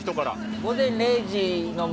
「午前０時の森」